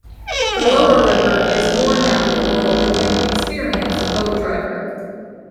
The lower river is more navigable with an experienced boat driver.